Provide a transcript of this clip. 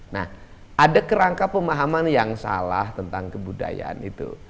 nah ada kerangka pemahaman yang salah tentang kebudayaan itu